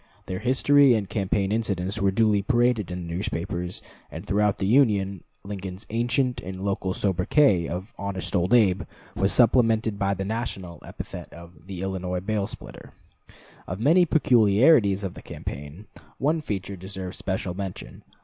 Their history and campaign incidents were duly paraded in the newspapers; and throughout the Union Lincoln's ancient and local sobriquet of "Honest Old Abe" was supplemented by the national epithet of "The Illinois Bail splitter." Of the many peculiarities of the campaign, one feature deserves special mention.